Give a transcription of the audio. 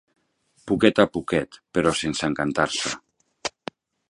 Poquet a poquet, però sense encantar-se...